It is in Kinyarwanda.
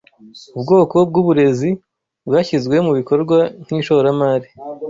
Ubwoko bwuburezi bwashyizwe mubikorwa nkishoramari